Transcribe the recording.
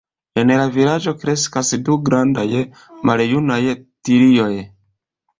En la vilaĝo kreskas du grandaj maljunaj tilioj.